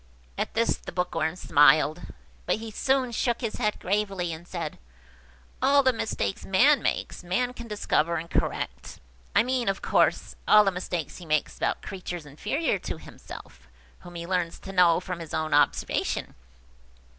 At this the Bookworm smiled; but he soon shook his head gravely, and said–"All the mistakes man makes, man can discover and correct–I mean, of course, all the mistakes he makes about creatures inferior to himself, whom he learns to know from his own observation.